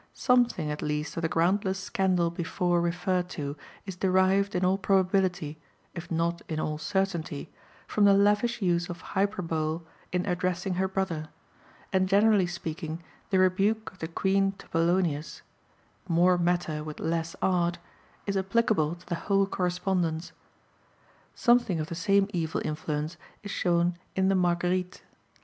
Something at least of the groundless scandal before referred to is derived in all probability, if not in all certainty, from the lavish use of hyperbole in addressing her brother; and generally speaking, the rebuke of the Queen to Polonius, "More matter with less art," is applicable to the whole correspondence. Something of the same evil influence is shown in the Marguerites.